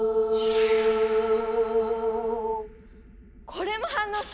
これも反応した！